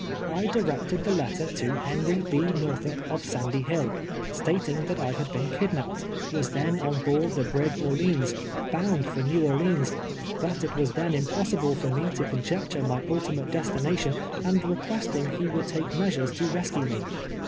I directed the letter to Henry 13. Xorthup, of Sandy Hill — stating that I had been kidnapped, was then on board the brig Orleans, bound fur ^Js'ew Orleans ; that it was then impossible for me to conjecture my ultimate des tination, and recpiesting he would take measures to rescue me.